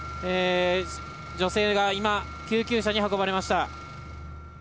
女性が今、救急車に運ばれました。